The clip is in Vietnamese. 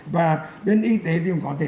và bên y tế thì cũng có thể